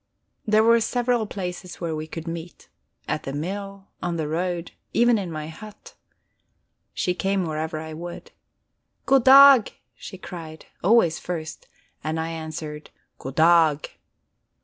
There were several places where we could meet at the mill, on the road, even in my hut. She came wherever I would. "Goddag!" she cried, always first, and I answered _"Goddag!"